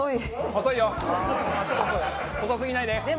細すぎないで！